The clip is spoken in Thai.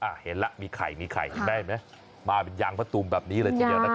อ่ะเห็นแล้วมีไข่มีไข่ได้ไหมมาเป็นยางประตูมแบบนี้เลย